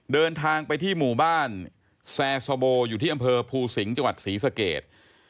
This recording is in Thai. เดินทางไปที่หมู่บ้านแซสโบอยู่ที่อำเภอภูสิงห์จังหวัดศรีสเกต